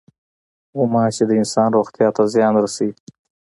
غوماشې د انسان روغتیا ته زیان رسوي.